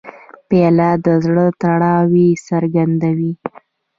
پیاله د زړه تړاو څرګندوي.